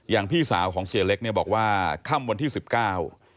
พี่สาวของเสียเล็กเนี่ยบอกว่าค่ำวันที่สิบเก้า